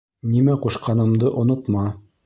Нимә ҡушҡанымды онотма.